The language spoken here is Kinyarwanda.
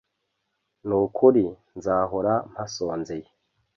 n'ukuri nzahora mpasonzeye